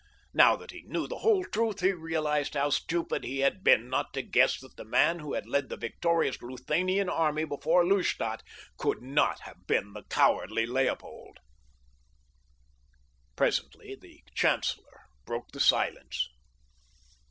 Now that he knew the whole truth he realized how stupid he had been not to guess that the man who had led the victorious Luthanian army before Lustadt could not have been the cowardly Leopold. Presently the chancellor broke the silence.